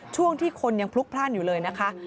ช่วงที่คนยังพลุกพลั่นอยู่เลยนะคะ